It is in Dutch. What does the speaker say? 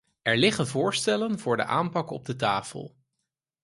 Er liggen voorstellen voor de aanpak op de tafel.